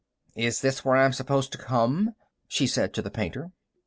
"Is this where I'm supposed to come?" she said to the painter.